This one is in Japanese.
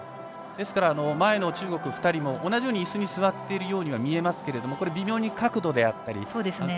ですから、前の中国２人も同じようにいすに座っているように見えますが微妙に角度であったり。